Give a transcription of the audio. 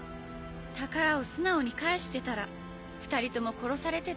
宝を素直に返してたら２人とも殺されてた。